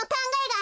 あ。